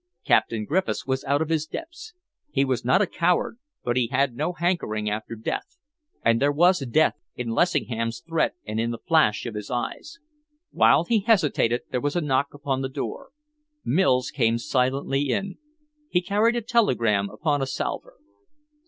Captain Griffiths was out of his depths. He was not a coward, but he had no hankering after death, and there was death in Lessingham's threat and in the flash of his eyes. While he hesitated, there was a knock upon the door. Mills came silently in. He carried a telegram upon a salver.